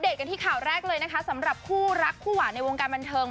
กันที่ข่าวแรกเลยนะคะสำหรับคู่รักคู่หวานในวงการบันเทิง